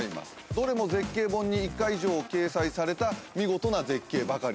どれも絶景本に１回以上掲載された見事な絶景ばかり。